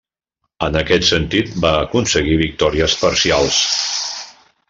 En aquest sentit, va aconseguir victòries parcials.